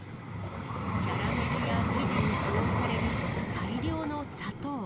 キャラメルや生地に使用される大量の砂糖。